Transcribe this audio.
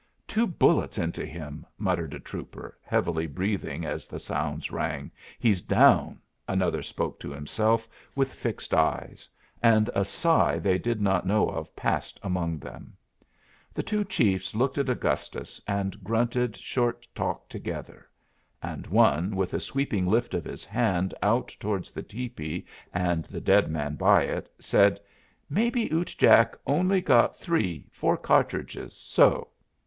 "Two bullets into him," muttered a trooper, heavily breathing as the sounds rang. "He's down," another spoke to himself with fixed eyes; and a sigh they did not know of passed among them. The two chiefs looked at Augustus and grunted short talk together; and one, with a sweeping lift of his hand out towards the tepee and the dead man by it, said, "Maybe Ute Jack only got three four cartridges so!"